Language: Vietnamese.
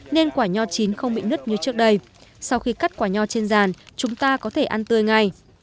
nên quả nho chín không bị nứt như trước đây sau khi cắt quả nho trên ràn chúng ta có thể ăn tươi ngay